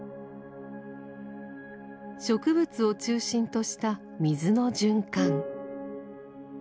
植物を中心とした水の循環。